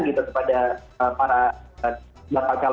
gitu kepada para bapak calon melamar